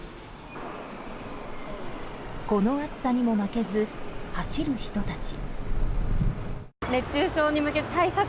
この暑さにも負けず走る人たち。